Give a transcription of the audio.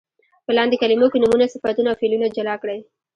په لاندې کلمو کې نومونه، صفتونه او فعلونه جلا کړئ.